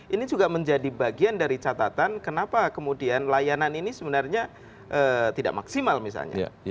ini juga menjadi bagian dari catatan kenapa kemudian layanan ini sebenarnya tidak maksimal misalnya